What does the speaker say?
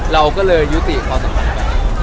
เราก็เลยยุติกข้อสำคัญกัน